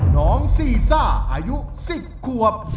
น้องซีซ่าอายุ๑๐ขวบ